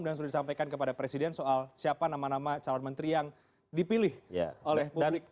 dan sudah disampaikan kepada presiden soal siapa nama nama calon menteri yang dipilih oleh publik